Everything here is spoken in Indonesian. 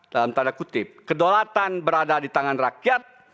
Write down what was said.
dalam tanda kutip kedaulatan berada di tangan rakyat